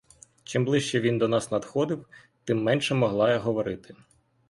Чим ближче він до нас надходив, тим менше могла я говорити.